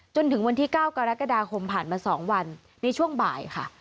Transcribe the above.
จนถึงวันที่๙กรกฎาคมผ่านมา๒วันในช่วงบ่ายค่ะ